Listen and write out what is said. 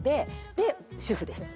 で主婦です。